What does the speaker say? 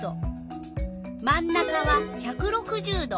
真ん中は１６０℃。